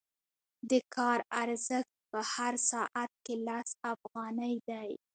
د کار ارزښت په هر ساعت کې لس افغانۍ دی